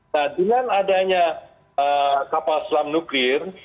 nah dengan adanya kapal selam nuklir